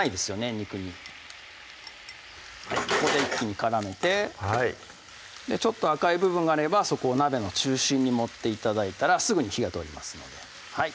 肉にここで一気に絡めてはいちょっと赤い部分があればそこを鍋の中心に持って頂いたらすぐに火が通りますのではい